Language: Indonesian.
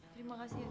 terima kasih ibu